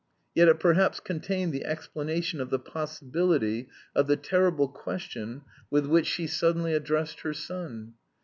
Yet it perhaps contained the explanation of the possibility of the terrible question with which she suddenly addressed her son.